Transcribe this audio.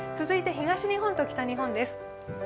続いて東日本と北日本です。